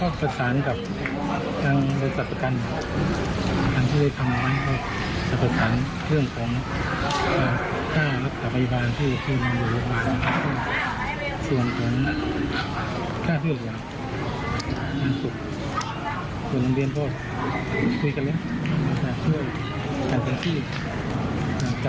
การตังจริงจับสวบไม้หน้าหลุดสวบคลุก